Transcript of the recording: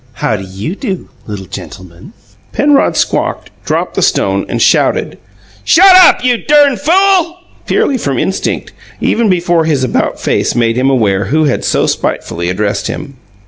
"How do you do, LITTLE GENTLEMAN!" Penrod squawked, dropped the stone, and shouted, "Shut up, you dern fool!" purely from instinct, even before his about face made him aware who had so spitefully addressed him.